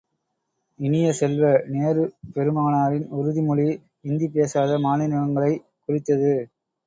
இனிய செல்வ, நேரு பெருமகனாரின் உறுதிமொழி இந்தி பேசாத மாநிலங்களைக் குறித்தது.